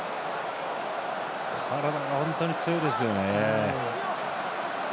体が本当に強いですね。